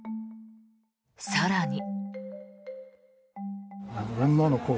更に。